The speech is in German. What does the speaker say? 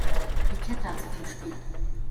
Die Kette hat zu viel Spiel.